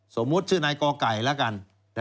สมมุติชื่อนายกอไก่แล้วกัน